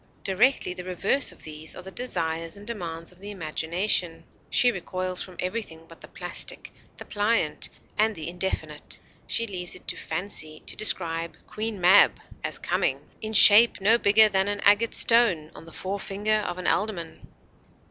Directly the reverse of these are the desires and demands of the imagination. She recoils from everything but the plastic, the pliant, and the indefinite. She leaves it to fancy to describe Queen Mab as coming: 'In shape no bigger than an agate stone On the forefinger of an alderman.'